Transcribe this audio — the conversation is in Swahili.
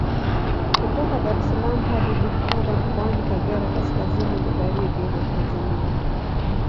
Kutoka Dar es salaam hadi Bukoba Mkoani Kagera kaskazini Magharibi mwa Tanzania